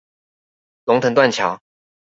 龍騰斷橋